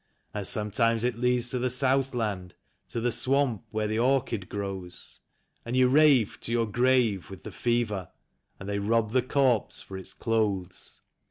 And sometimes it leads to the Southland, to the swamp where the orchid glows, And you rave to your grave with the fever, and they rob the corpse for its clothes.